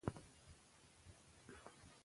ځلېدنه د څراغونو له وړانګو رامنځته شوې.